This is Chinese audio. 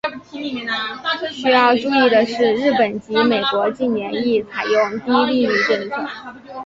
需要注意的是日本及美国近年亦采用低利率政策。